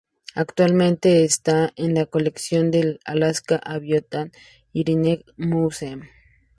Actualmente está en la colección del Alaska Aviation Heritage Museum.